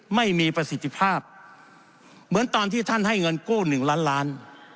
ไม่มีประสิทธิภาพเหมือนตอนที่ท่านให้เงินกู้๑ล้านล้าน